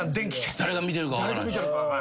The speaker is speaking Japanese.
「誰が見とるか分からん」